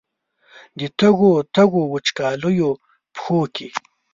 د تږو، تږو، وچکالیو پښو کې